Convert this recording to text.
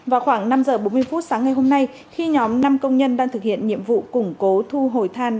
vào khoảng năm h bốn mươi phút sáng ngày hôm nay khi nhóm năm công nhân đang thực hiện nhiệm vụ củng cố thu hồi than